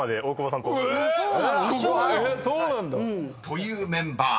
［というメンバー。